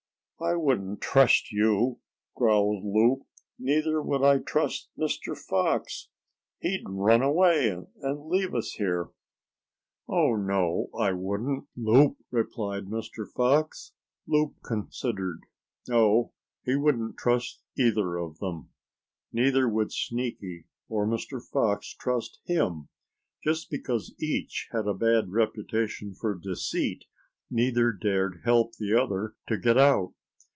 "I wouldn't trust you," growled Loup. "Neither would I trust Mr. Fox. He'd run away, and leave us here." "Oh, no, I wouldn't, Loup," replied Mr. Fox. Loup considered. No, he wouldn't trust either of them. Neither would Sneaky or Mr. Fox trust him. Just because each had a bad reputation for deceit, neither dared help the other to get out.